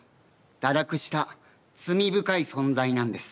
堕落した罪深い存在なんです。